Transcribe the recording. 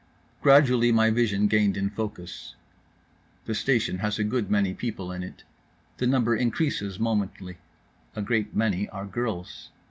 Gradually my vision gained in focus. The station has a good many people in it. The number increases momently. A great many are girls.